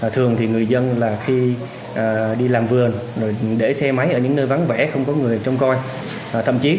thường thì người dân là khi đi làm vườn để xe máy ở những nơi vắng vẻ không có người trông coi thậm chí